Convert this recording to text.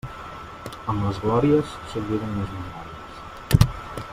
Amb les glòries, s'obliden les memòries.